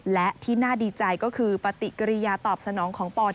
และที่น่าดีใจก็คือปฏิกิริยาตอบสนองของปอน